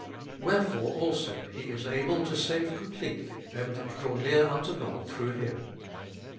Wherefore also He is able to save completely them that draw near unto God through Him.